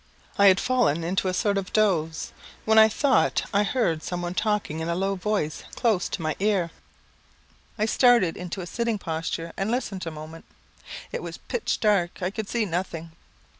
I had fallen into a sort of doze, when I thought I heard some one talking in a low voice close to my ear. I started into a sitting posture, and listened a moment. It was pitch dark; I could see nothing.